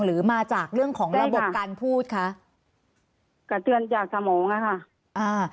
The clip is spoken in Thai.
หรือมาจากเรื่องของระบบการพูดคะกระเตือนจากสมองอ่ะค่ะอ่า